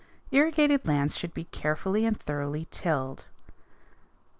Irrigated lands should be carefully and thoroughly tilled.